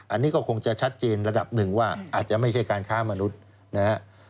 อันนี้ก็คงจะชัดเจนระดับหนึ่งว่าอาจจะไม่ใช่การค้ามนุษย์นะครับ